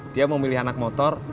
dia mau milih anak motor